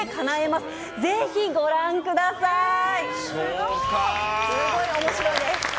すごい面白いです。